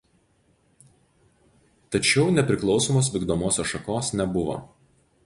Tačiau nepriklausomos vykdomosios šakos nebuvo.